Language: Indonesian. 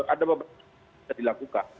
itu bisa dilakukan